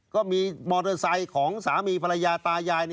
ก็มีมอเตอร์ไซค์ของสามีภรรยาตายาย